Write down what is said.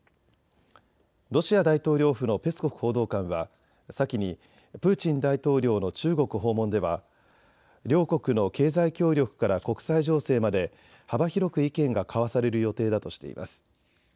ロシア大統領府のペスコフ報道官は先にプーチン大統領の中国訪問では両国の経済協力から国際情勢まで幅広く意見が交わされる予定だとしています。